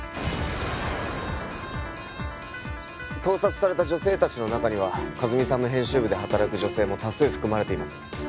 盗撮された女性たちの中には和美さんの編集部で働く女性も多数含まれています。